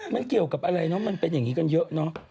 มันเกี่ยวกับอะไรเนอะมันเป็นอย่างนี้กันเยอะเนอะ